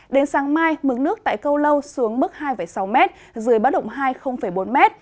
đến sáng mai mức nước tại câu lâu xuống mức hai sáu m dưới báo động hai bốn m